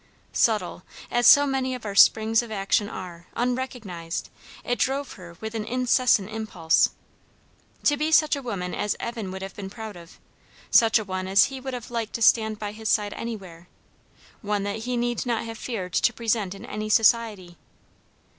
Subtle, as so many of our springs of action are, unrecognised, it drove her with an incessant impulse. To be such a woman as Evan would have been proud of; such a one as he would have liked to stand by his side anywhere; one that he need not have feared to present in any society.